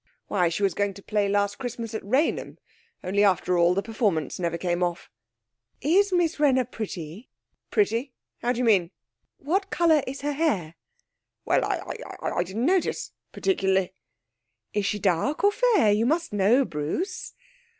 Why, she was going to play last Christmas at Raynham, only after all the performance never came off.' 'Is Miss Wrenner pretty?' 'Pretty? How do you mean?' 'What colour is her hair?' 'Well, I I I didn't notice, particularly.' 'Is she dark or fair? You must know, Bruce!'